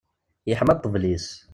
Iḥma ṭṭbel-is.